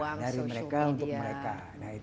dari mereka untuk mereka